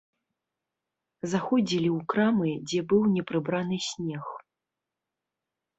Заходзілі ў крамы, дзе быў непрыбраны снег.